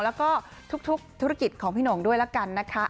แล้วก็ทุกธุรกิจของพี่หน่งด้วยละกันนะคะ